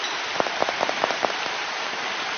სწავლის დამთავრების შემდეგ მუშაობა დაიწყო ქანდაკებაზე.